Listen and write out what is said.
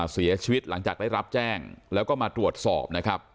เสียชีวิตหลังจากได้รับแจ้งแล้วก็มาตรวจสอบนะครับ